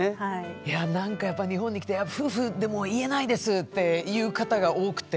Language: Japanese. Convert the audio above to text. やっぱり日本に来て「夫婦でも言えないです」っていう方が多くて。